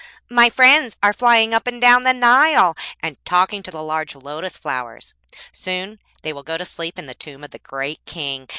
'My friends are flying up and down the Nile, and talking to the large lotus flowers. Soon they will go to sleep in the tomb of the great King.